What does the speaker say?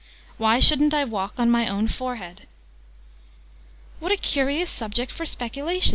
'Why shouldn't I walk on my own forehead?'" "What a curious subject for speculation!"